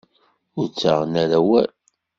Ur ttaɣen ara awal.